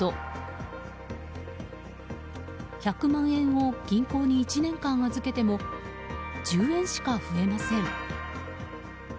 １００万円を銀行に１年間預けても１０円しか増えません。